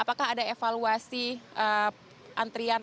apakah ada evaluasi kejadian